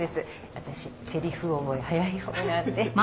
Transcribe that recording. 私せりふ覚え早い方なんで。